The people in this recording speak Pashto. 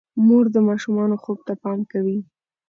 مور د ماشومانو خوب ته پام کوي.